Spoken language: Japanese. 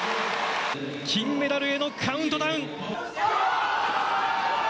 金メダルへのカウントダウン。